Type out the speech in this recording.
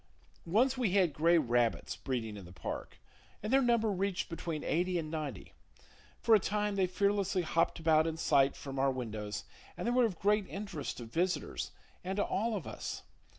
Once we had gray rabbits breeding in the park, and their number reached between eighty and ninety. For a time they fearlessly hopped about in sight from our windows, and they were of great interest to visitors and to all of us.